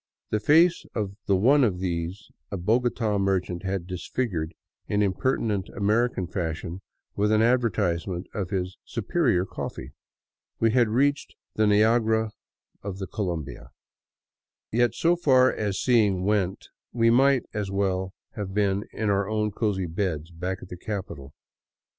The face of the one of these a Bogota merchant had disfigured in impertinent American fashion with an advertisement of his '' superior coffee." We had reached the " Niagara of Colombia." Yet so far as seeing went we might as well have been in our cozy beds back in the capital.